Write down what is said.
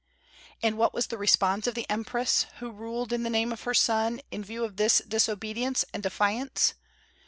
And what was the response of the empress, who ruled in the name of her son, in view of this disobedience and defiance?